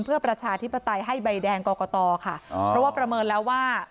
เพื่อประชาธิปไตยให้ใบแดงกรกตค่ะอ๋อเพราะว่าประเมินแล้วว่า